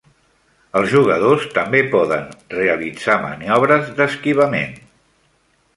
Els jugadors també poden realitzar manobres d'esquivament.